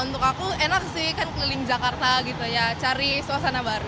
untuk aku enak sih kan keliling jakarta gitu ya cari suasana baru